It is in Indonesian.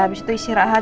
abis itu istirahat